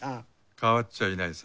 変わっちゃいないさ。